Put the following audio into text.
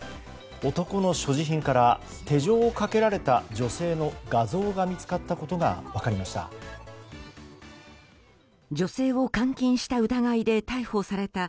男の所持品から手錠をかけられた女性の画像が見つかったことが分かりました。